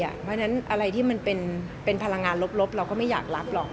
เพราะฉะนั้นอะไรที่มันเป็นพลังงานลบเราก็ไม่อยากรับหรอก